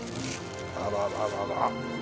あららら。